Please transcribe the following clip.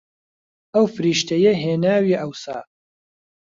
ئەو فریشتەیە هێناویە ئەوسا